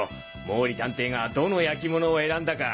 毛利探偵がどの焼き物を選んだか。